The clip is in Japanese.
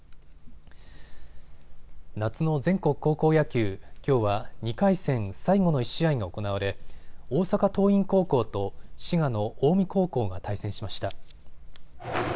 夏の全国高校野球、きょうは２回戦最後の１試合が行われ大阪桐蔭高校と滋賀の近江高校が対戦しました。